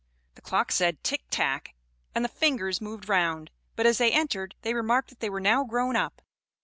The clock said "tick! tack!" and the finger moved round; but as they entered, they remarked that they were now grown up.